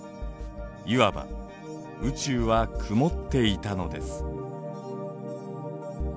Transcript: いわば宇宙は「曇って」いたのです。